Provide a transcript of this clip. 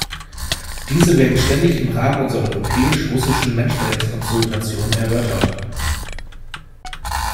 Diese werden ständig im Rahmen unserer europäisch-russischen Menschenrechtskonsultationen erörtert.